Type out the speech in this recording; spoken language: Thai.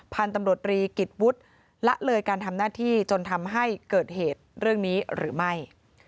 พันธุ์ตำรวจรีกิจวุฒิละเลยการทำหน้าที่จนทำให้เกิดเหตุเรื่องนี้หรือไม่